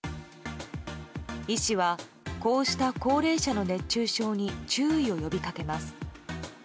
医師は、こうした高齢者の熱中症に注意を呼びかけます。